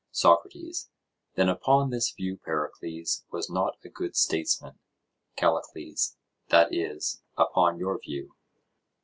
SOCRATES: Then upon this view, Pericles was not a good statesman? CALLICLES: That is, upon your view.